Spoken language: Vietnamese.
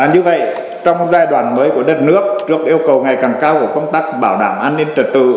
như vậy trong giai đoạn mới của đất nước trước yêu cầu ngày càng cao của công tác bảo đảm an ninh trật tự